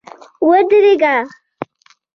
ودرېږه!